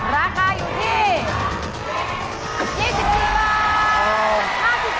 แพงกว่าแพงกว่าแพงกว่าแพงกว่าแพงกว่า